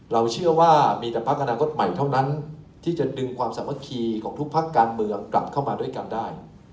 เราเชื่อว่ามีแต่พักอนาคตใหม่เท่านั้นที่จะดึงความสามัคคีของทุกพักการเมืองกลับเข้ามาด้วยกันได้